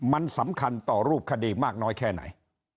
มันสำคัญต่อรูปคดีมากน้อยแค่ไหน